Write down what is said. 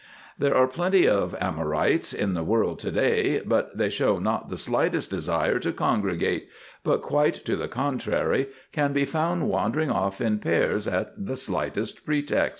There are plenty of Amourites in the world to day, but they show not the slightest desire to congregate, but, quite to the contrary, can be found wandering off in pairs at the slightest pretext.